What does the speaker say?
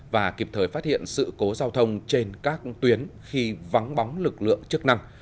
và kịp thời phát hiện sự cố giao thông trên các tuyến khi vắng bóng lực lượng chức năng